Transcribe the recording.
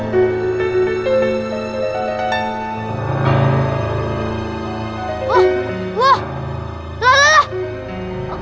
lah lah lah